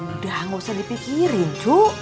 udah gak usah dipikirin cu